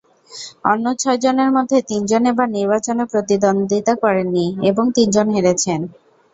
অন্য ছয়জনের মধ্যে তিনজন এবার নির্বাচনে প্রতিদ্বন্দ্বিতা করেননি এবং তিনজন হেরেছেন।